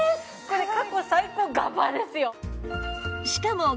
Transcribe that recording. これ過去最高ガバッですよ。